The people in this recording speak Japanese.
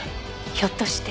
ひょっとして。